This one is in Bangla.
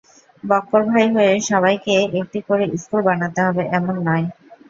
বক্কর ভাই হয়ে সবাইকে একটি করে স্কুল বানাতে হবে এমন নয়।